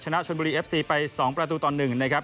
ชนะชนบุรีเอฟซีไป๒ประตูต่อ๑นะครับ